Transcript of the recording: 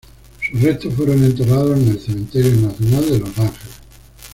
Sus restos fueron enterrados en el Cementerio Nacional de Los Ángeles.